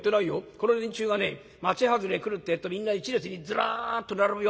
この連中がね町外れへ来るってえとみんな１列にずらっと並ぶよ。